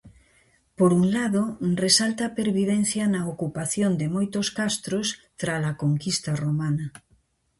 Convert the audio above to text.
Por un lado, resalta a pervivencia na ocupación de moitos castros trala conquista romana.